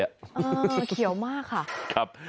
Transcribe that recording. เออเขียวมากค่ะ